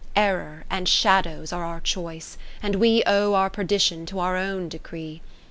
50 Error and shadows are our choice, and we Owe our perdition to our own decree.